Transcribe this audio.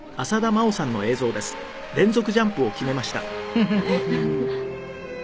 フフフフ。